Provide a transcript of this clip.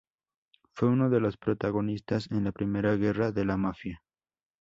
Fue uno de los protagonistas en la Primera guerra de la mafia.